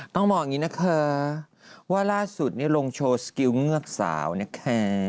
ต้องบอกอย่างนี้นะคะว่าล่าสุดลงโชว์สกิลเงือกสาวนะคะ